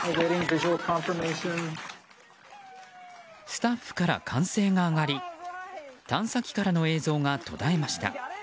スタッフから歓声が上がり探査機からの映像が途絶えました。